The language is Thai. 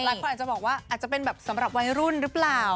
หลายคนอาจจะบอกว่าอาจจะเป็นแบบสำหรับวัยรุ่นหรือเปล่า